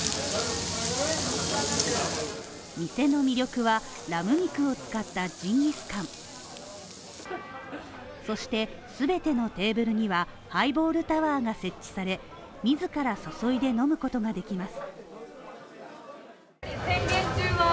店の魅力はラム肉を使ったジンギスカンそして全てのテーブルには、ハイボールタワーが設置され、自ら注いで飲むことができます。